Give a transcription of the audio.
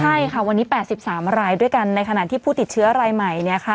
ใช่ค่ะวันนี้๘๓รายด้วยกันในขณะที่ผู้ติดเชื้อรายใหม่เนี่ยค่ะ